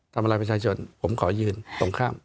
ทำลายผู้ชายจนผมขอยืนตรงข้าม